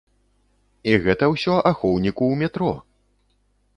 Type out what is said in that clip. І гэта ўсё ахоўніку ў метро!